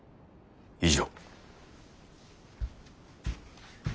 以上。